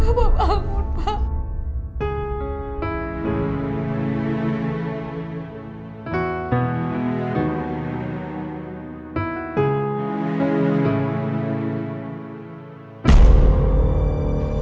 pak bangun pak